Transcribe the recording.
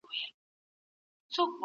نو دوی ته د ځانخوښۍ احساس پیدا سو او د دې